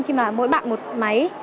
khi mà mỗi bạn một máy